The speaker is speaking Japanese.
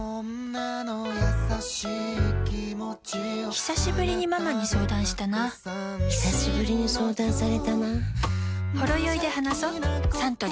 ひさしぶりにママに相談したなひさしぶりに相談されたな